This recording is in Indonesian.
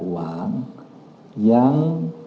yang menyebabkan pencucian uang